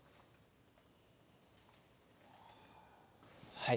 はい。